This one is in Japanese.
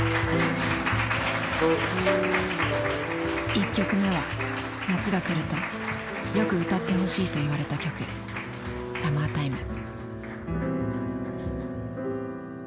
１曲目は夏が来るとよく歌ってほしいと言われた曲「Ｓｕｍｍｅｒｔｉｍｅ」。